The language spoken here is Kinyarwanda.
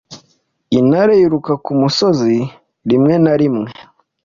Intare Yiruka ku misozi rimwe na rimwe